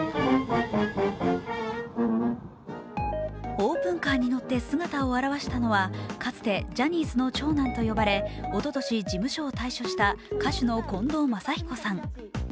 オープンカーに乗って姿を現したのは、かつてジャニーズの長男と呼ばれおととし、事務所を退所した歌手の近藤真彦さん。